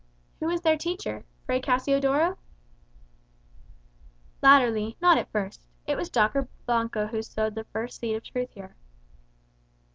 "Who was their teacher? Fray Cassiodoro?" "Latterly; not at first. It was Dr. Blanco who sowed the first seed of truth here."